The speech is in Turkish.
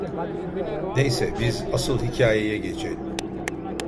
Neyse, biz asıl hikayeye geçelim.